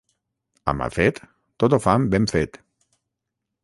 A Mafet tot ho fan ben fet.